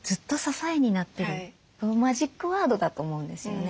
マジックワードだと思うんですよね。